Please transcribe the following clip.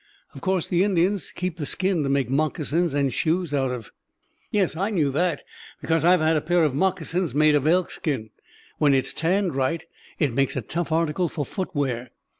Of course, the Indians keep the skin to make moccasins and shoes out of." "Yes, I knew that, because I've had a pair of moccasins made of elkskin. When it's tanned right, it makes a tough article for footwear.